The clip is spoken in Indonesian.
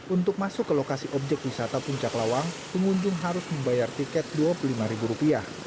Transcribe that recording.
untuk masuk ke lokasi objek wisata puncak lawang pengunjung harus membayar tiket rp dua puluh lima